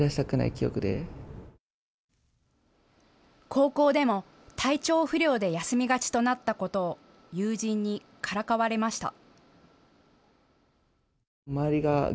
高校でも体調不良で休みがちとなったことを友人にからかわれました。